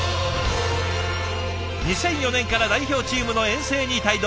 ２００４年から代表チームの遠征に帯同。